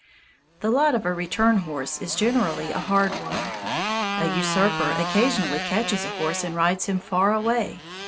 The lot of a return horse is generally a hard one. A usurper occasionally catches a horse and rides him far away.